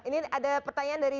ini ada pertanyaan dari